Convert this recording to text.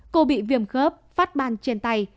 cô bị viêm khớp phát ban trên tay